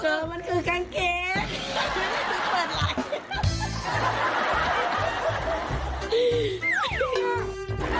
เสื้อมันคือกางเกง